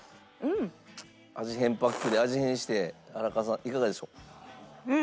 味変パックで味変して荒川さんいかがでしょう？